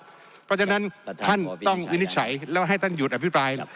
เพราะฉะนั้นท่านต้องวินิจฉัยแล้วให้ท่านหยุดอภิปราย